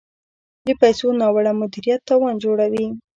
د پیسو ناوړه مدیریت تاوان جوړوي.